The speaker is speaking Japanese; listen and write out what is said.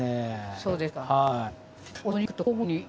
そうですか。